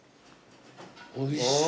おいしい。